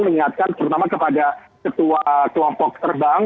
mengingatkan terutama kepada ketua kelompok terbang